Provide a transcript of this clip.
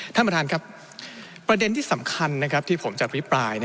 ท่านประธานครับประเด็นที่สำคัญที่ผมจะอภิปราย